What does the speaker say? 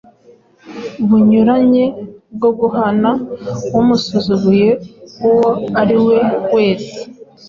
bunyuranye bwo guhana umusuzuguye uwo ariwe wese